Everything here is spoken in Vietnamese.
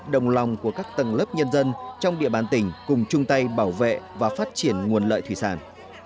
đồng lòng của các tầng lớp nhân dân trong địa bàn tỉnh cùng chung tay bảo vệ và phát triển nguồn lợi thủy sản